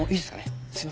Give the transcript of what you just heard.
すいません。